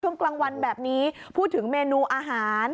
กลางวันแบบนี้พูดถึงเมนูอาหาร